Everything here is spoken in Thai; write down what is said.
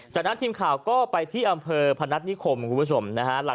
จากนั้นทีมข่าวก็ไปที่อำเภอพนัฐนิคมคุณผู้ชมนะฮะ